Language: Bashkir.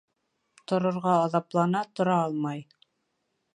Торорға аҙаплана -тора алмай.